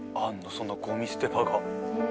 そんなゴミ捨て場が。